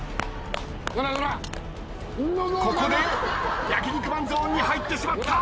ここで焼肉マンゾーンに入ってしまった。